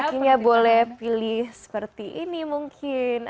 kakinya boleh pilih seperti ini mungkin